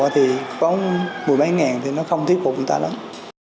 thì có mười mấy ngàn thì nó không tiếp tục giảm